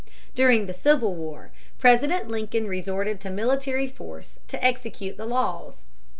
During the Civil War, President Lincoln resorted to military force to execute the laws.